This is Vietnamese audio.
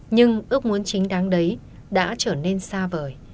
nhưng ước muốn chính đáng đấy đã trở nên xa vời